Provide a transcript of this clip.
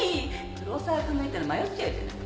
黒沢君が行ったら迷っちゃうじゃない